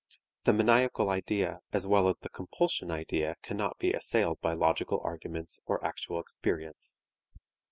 The maniacal idea as well as the compulsion idea cannot be assailed by logical arguments or actual experience.